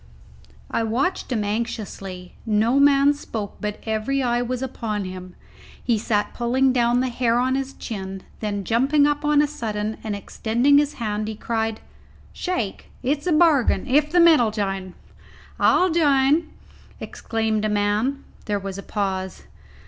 I watched him anxiously. No man spoke, but every eye was upon him. He sat pulling down the hair on his chin, then, jumping up on a sudden and extending his hand, he cried, "Shake! it's a bargain, if the men 'll jine." "I'll jine!" exclaimed a man. There was a pause.